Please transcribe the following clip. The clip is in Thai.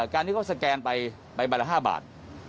การนี้เลยสแกนไปบรรยายรายละห้าบาท